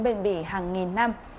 bền bỉ hàng nghìn năm